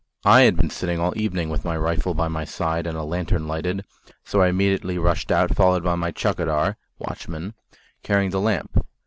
I had been sitting all evening with my rifle by my side and a lantern lighted, so I immediately rushed out, followed by the chaukidar (watchman) carrying the lamp.